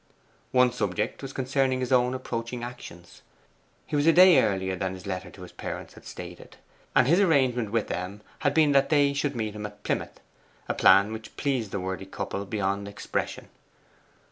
One subject was concerning his own approaching actions. He was a day earlier than his letter to his parents had stated, and his arrangement with them had been that they should meet him at Plymouth; a plan which pleased the worthy couple beyond expression.